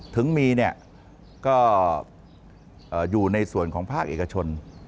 ถึงมีเนี่ยก็อยู่ในส่วนของภาคเอกชน